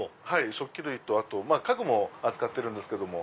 食器類とあと家具も扱ってるんですけども。